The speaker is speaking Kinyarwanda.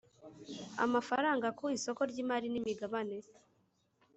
Amafaranga ku isoko ryimari n imigabane